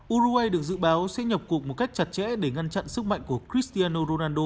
uruguay được dự báo sẽ nhập cuộc một cách chặt chẽ để ngăn chặn sức mạnh của cristiano ronaldo